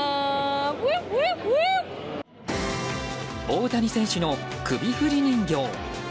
大谷選手の首振り人形。